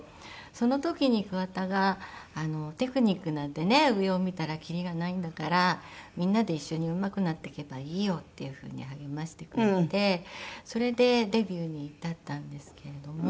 その時に桑田が「テクニックなんてね上を見たら切りがないんだからみんなで一緒にうまくなっていけばいいよ」っていうふうに励ましてくれてそれでデビューに至ったんですけれども。